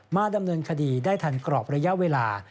ดำเนินคดีได้ทันกรอบระยะเวลา